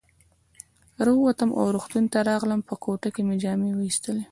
را ووتم او روغتون ته راغلم، په کوټه کې مې جامې وایستلې.